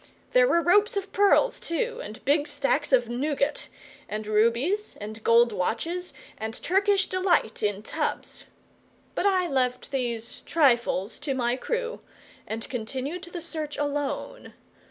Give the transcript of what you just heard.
There were ropes of pearls, too, and big stacks of nougat; and rubies, and gold watches, and Turkish Delight in tubs. But I left these trifles to my crew, and continued the search alone.